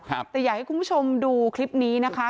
แต่อยากให้คุณผู้ชมดูคลิปนี้นะคะ